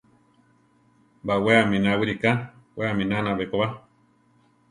Bawé aminá wiriká, we aminána bekoba.